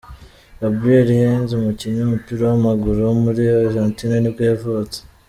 Gabriel Heinze, umukinnyi w’umupira w’amaguru wo muri Argentine nibwo yavutse.